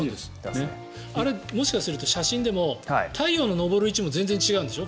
あれ、もしかすると写真でも太陽の昇る位置も全然違うんでしょ？